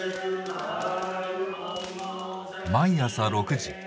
毎朝６時。